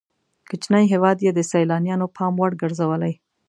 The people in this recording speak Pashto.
کوچنی هېواد یې د سیلانیانو پام وړ ګرځولی.